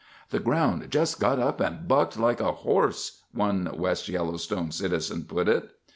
"The ground just got up and bucked like a horse," one West Yellowstone citizen put it.